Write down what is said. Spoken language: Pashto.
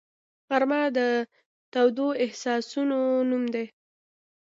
غرمه د تودو احساسونو نوم دی